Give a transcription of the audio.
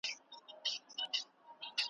چي پردۍ فتوا وي هېره محتسب وي تښتېدلی .